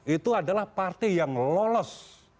itu adalah partai yang lolos